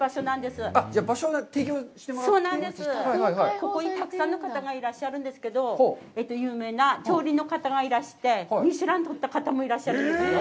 ここにたくさんの方がいらっしゃるんですけど、有名な調理の方がいらして、ミシュランを取った方もいらっしゃるんですよ。